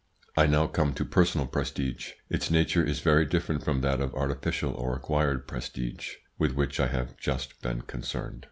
I now come to personal prestige. Its nature is very different from that of artificial or acquired prestige, with which I have just been concerned.